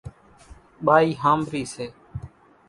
ٻائِي ۿامرِي سي۔